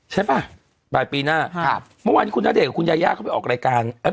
ใช่ปะปลายปีหน้าเมื่อวานคุณณเดชน์กับคุณยายับไปออกรายการ